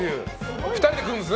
２人で来るんですね。